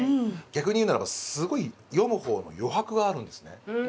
逆に言うならばすごい読む方の余白があるんですね。